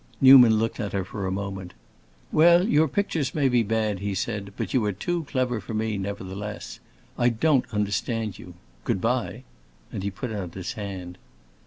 Newman looked at her a moment. "Well, your pictures may be bad," he said, "but you are too clever for me, nevertheless. I don't understand you. Good bye!" And he put out his hand.